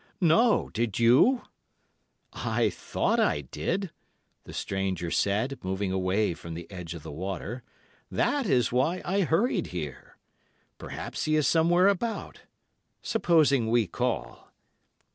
No. Did you?' "'I thought I did,' the stranger said, moving away from the edge of the water; 'that is why I hurried here. Perhaps he is somewhere about. Supposing we call.